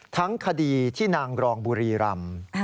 ทั้งคดีที่นางรองบุรีรำ